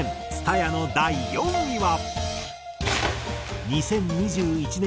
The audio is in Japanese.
蔦谷の第４位は。